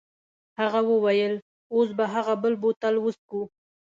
هغه وویل اوس به هغه بل بوتل وڅښو.